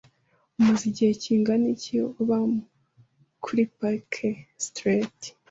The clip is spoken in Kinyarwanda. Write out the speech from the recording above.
Umaze igihe kingana iki uba kuri Park Street?